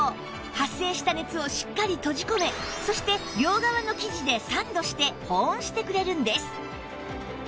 発生した熱をしっかり閉じ込めそして両側の生地でサンドして保温してくれるんです